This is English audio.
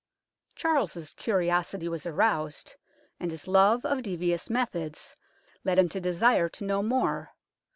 Charles's curiosity was aroused, and his love of devious methods led him to desire to know more.